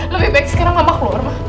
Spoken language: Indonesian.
lebih baik sekarang mama keluar mah